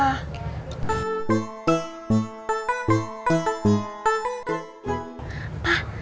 lagi lagi dia ngebelin pak